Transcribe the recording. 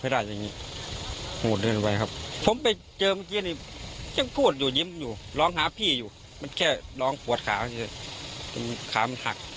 ร้องหาพี่อยู่มันแค่ร้องปวดขาเพราะฉะนั้นขามันหัก